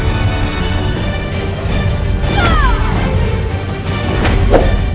yang menempeli hijab dari suatu anak bufik dari praise